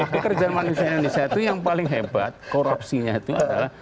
pekerjaan manusia indonesia itu yang paling hebat korupsinya itu adalah